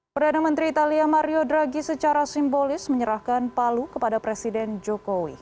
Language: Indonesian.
perdana menteri italia mario draghi secara simbolis menyerahkan palu kepada presiden jokowi